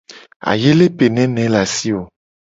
Ayele pe nene ye le asi wo ?